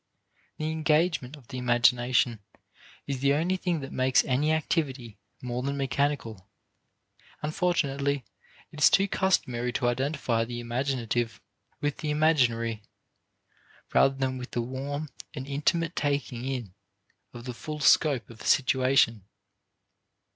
The engagement of the imagination is the only thing that makes any activity more than mechanical. Unfortunately, it is too customary to identify the imaginative with the imaginary, rather than with a warm and intimate taking in of the full scope of a situation.